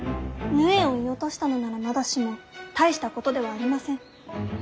鵺を射落としたのならまだしも大したことではありません。